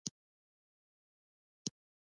څنګه کولی شم د ماشومانو لپاره د عید ډالۍ واخلم